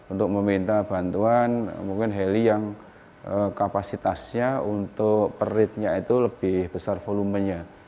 untuk meminta bantuan mungkin heli yang kapasitasnya untuk peritnya itu lebih besar volumenya